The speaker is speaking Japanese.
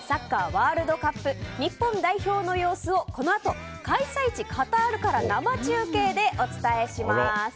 ワールドカップ日本代表の様子をこのあと開催地カタールから生中継でお伝えします。